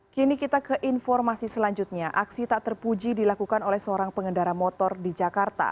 kini kita ke informasi selanjutnya aksi tak terpuji dilakukan oleh seorang pengendara motor di jakarta